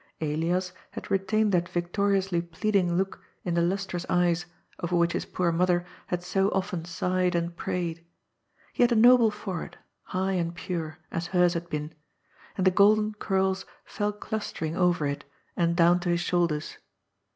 Elias had retained that yictoriously pleading look in the lustrous eyes over which his poor mother had so often sighed and prayed. He had a noble forehead — ^high and pure, as hers had been — and the golden curls fell clustering over it and down to his shoul ders.